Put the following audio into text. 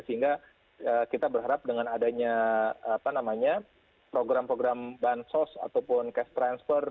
sehingga kita berharap dengan adanya program program bansos ataupun cash transfer